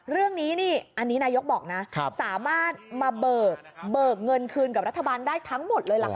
เรื่องนี้นี่อันนี้นายกบอกนะสามารถมาเบิกเงินคืนกับรัฐบาลได้ทั้งหมดเลยล่ะค่ะ